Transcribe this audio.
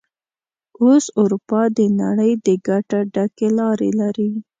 اوس اروپا د نړۍ د ګټه ډکې لارې لري.